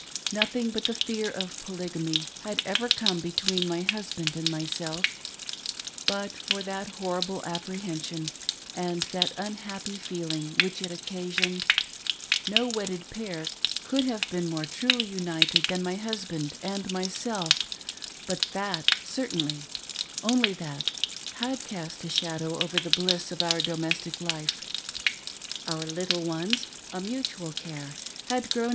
Nothing, but the fear of Polygamy, had ever come between my husb&nd and myself ;— but for that horrible apprehension, and the unhappy feeling which it occasioned, no wedded pair could have been more truly united than my husband and my§elf, but that, certainly — that only — had cast a shadow over the bUss of our domestic life. Our little ones^ a mutual care — had grown